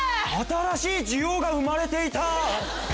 新しい需要が生まれていた！